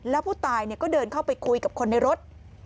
แล้วผู้ตายก็เดินเข้าไปคุยกับคนในรถ